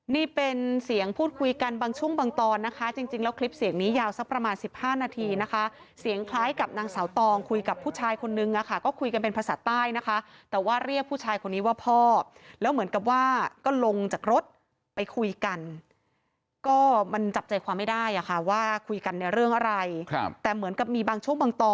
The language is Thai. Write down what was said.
นี่เป็นเสียงพูดคุยกันบางช่วงบางตอนนะคะจริงแล้วคลิปเสียงนี้ยาวสักประมาณสิบห้านาทีนะคะเสียงคล้ายกับนางสาวตองคุยกับผู้ชายคนนึงอะค่ะก็คุยกันเป็นภาษาใต้นะคะแต่ว่าเรียกผู้ชายคนนี้ว่าพ่อแล้วเหมือนกับว่าก็ลงจากรถไปคุยกันก็มันจับใจความไม่ได้อะค่ะว่าคุยกันในเรื่องอะไรครับแต่เหมือนกับมีบางช่วงบางตอน